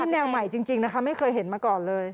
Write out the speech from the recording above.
แนวใหม่จริงนะคะไม่เคยเห็นมาก่อนเลย